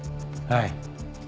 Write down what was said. はい。